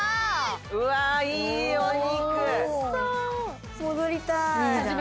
うわいいお肉。